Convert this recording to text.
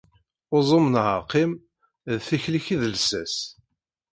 Uẓum neɣ qqim, d tikli-k i d lsas.